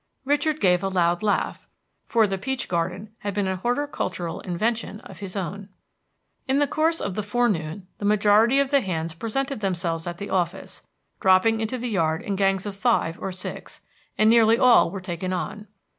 Richard gave a loud laugh, for the peach garden had been a horticultural invention of his own. In the course of the forenoon the majority of the hands presented themselves at the office, dropping into the yard in gangs of five or six, and nearly all were taken on.